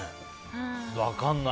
分かんない。